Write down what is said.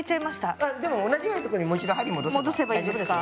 あでも同じようなとこにもう一度針戻せば大丈夫ですよ。